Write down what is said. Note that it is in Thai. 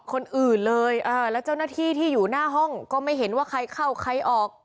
คนอื่นเลยแล้วเจ้าหน้าที่ที่อยู่หน้าห้องก็ไม่เห็นว่าใครเข้าใครออก